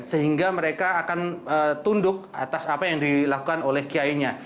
sehingga mereka akan tunduk atas apa yang dilakukan oleh kiainya